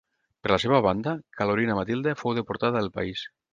Per la seva banda, Carolina Matilde fou deportada del país.